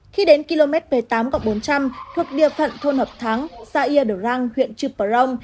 khi đến km p tám bốn trăm linh thuộc địa phận thôn hợp thắng xã yêu đầu răng huyện chuprong